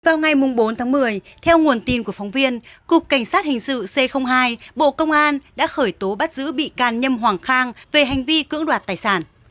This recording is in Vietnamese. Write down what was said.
vào ngày bốn tháng một mươi theo nguồn tin của phóng viên cục cảnh sát hình sự c hai bộ công an đã khởi tố bắt giữ bị can nhâm hoàng khang về hành vi cưỡng đoạt tài sản